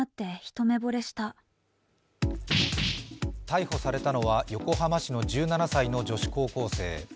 逮捕されたのは横浜市の１７歳の女子高校生。